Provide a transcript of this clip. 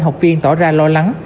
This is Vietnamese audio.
học viên tỏ ra lo lắng